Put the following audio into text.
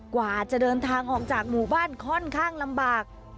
กว่าจะเดินทางออกจากหมู่บ้านค่อนข้างลำบาก